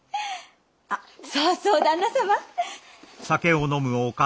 あっそうそう旦那様！